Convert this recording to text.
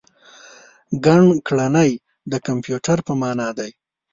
ګڼکړنی د کمپیوټر په مانا دی.